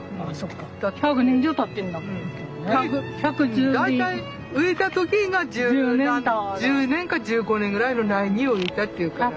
大体植えた時が１０年か１５年ぐらいの苗木を植えたっていうから。